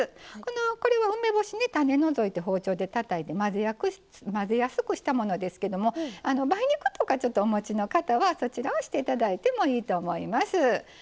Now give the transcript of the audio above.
これは梅干しの種を除いて包丁でたたいたもので混ぜやすくしたものですけども梅肉とかお持ちの方はそちらをしていただいてもいいです。